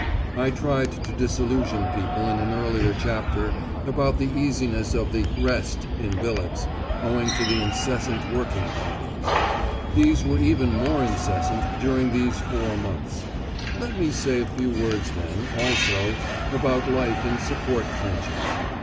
I tried to disillusion people in an earlier chapter about the easiness of the "rest" in billets, owing to the incessant working parties. These were even more incessant during these four months. Let me say a few words then, also, about life in support trenches.